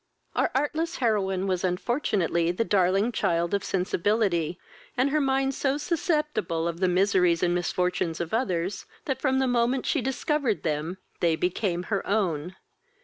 Our artless heroine was unfortunately the darling child of sensibility, and her mind so susceptible of the miseries and misfortunes of others, that, from the moment she discovered them, they became her own.